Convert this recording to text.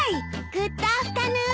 グッドアフタヌーン。